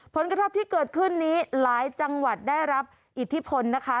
ผลกระทบที่เกิดขึ้นนี้หลายจังหวัดได้รับอิทธิพลนะคะ